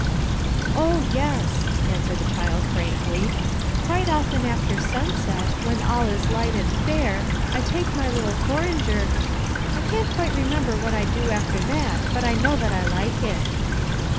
"Oh, yes," answered the child frankly "'Quite often after sunset, When all is light and fair, I take my little porringer' "I can't quite remember what I do after that, but I know that I like it."